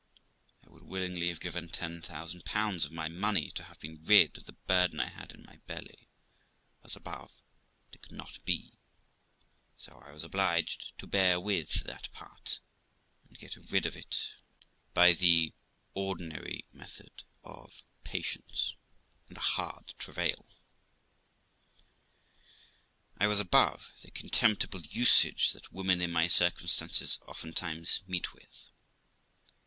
I would willingly have given ten thousand pounds of my money to have been rid of the burthen I had in my belly, as above; but it could not be, so I was obliged to bear with that part, and get rid of it H? the ordinary method of patience and a hard travail. 19 290 THE LIFE OF ROXANA I was above the contemptible usage that women in my circumstance* oftentimes meet with.